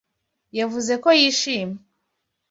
Yavuze ko yishimye.